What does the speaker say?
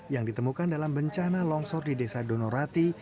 yang ditemukan dalam bencana longsor di desa donorati